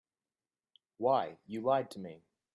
Why, you lied to me.